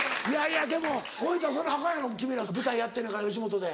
でも声出さなアカンやろ君ら舞台やってんねやから吉本で。